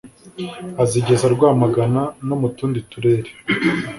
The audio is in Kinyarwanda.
azigeza rwamagana no mutundi turere